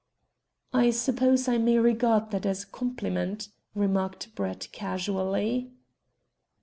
"I suppose I may regard that as a compliment?" remarked Brett casually.